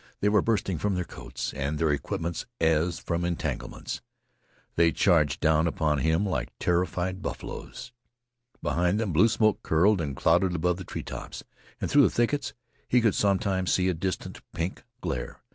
They were bursting from their coats and their equipments as from entanglements. They charged down upon him like terrified buffaloes. Behind them blue smoke curled and clouded above the treetops, and through the thickets he could sometimes see a distant pink glare.